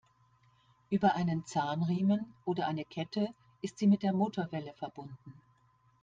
Über einen Zahnriemen oder eine Kette ist sie mit der Motorwelle verbunden.